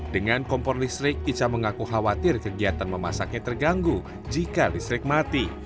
dengan kompor listrik ica mengaku khawatir kegiatan memasaknya terganggu jika listrik mati